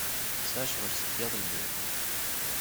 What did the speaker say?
Tesɛa ccɣel seg yiḍelli.